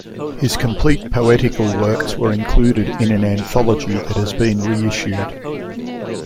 His complete poetical works were included in an anthology that has been reissued.